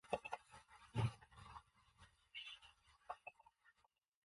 Backbone club members from also queried the power that trade unionists had in conferences.